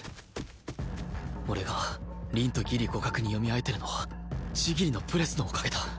俺が凛とギリ互角に読み合えてるのは千切のプレスのおかげだ